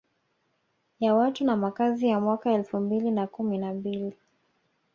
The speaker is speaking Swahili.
Ya watu na makazi ya mwaka elfu mbili na kumi na mbili